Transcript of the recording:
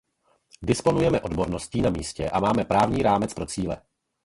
Disponujeme odborností na místě a máme právní rámec pro cíle.